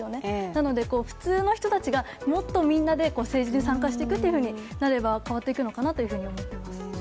なので普通の人たちが、もっとみんなで政治に参加していくことになれば、変わっていくのかなと思っています。